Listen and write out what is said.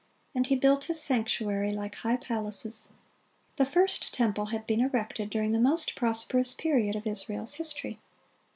And He built His sanctuary like high palaces."(24) The first temple had been erected during the most prosperous period of Israel's history.